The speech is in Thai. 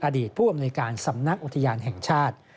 อดีตผู้อำนวยการสำนักอุทยานแห่งชาติ